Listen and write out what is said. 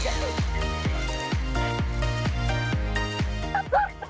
saya pun siap meluncur